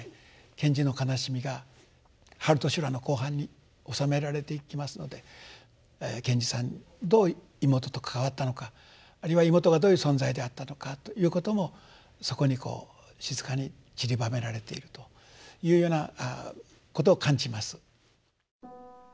賢治の悲しみが「春と修羅」の後半に収められていきますので賢治さんどう妹と関わったのかあるいは妹がどういう存在であったのかということもそこにこう静かにちりばめられているというようなことを感じます。